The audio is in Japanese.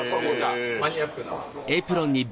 マニアックなはい。